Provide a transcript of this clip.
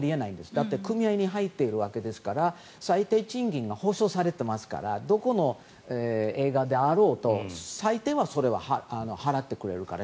だって組合に入っているわけですから最低賃金が保証されていますからどこの映画であろうと最低はそれは払ってくれるから。